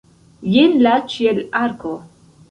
Jen la ĉielarko!